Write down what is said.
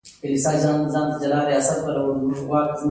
ناڅاپه د مېرمن شومان هينک د مرګ خبر خپور شو